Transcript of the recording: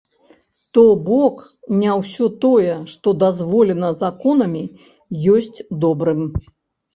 То бок не ўсё тое, што дазволена законамі, ёсць добрым.